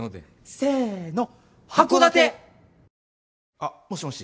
あっもしもし。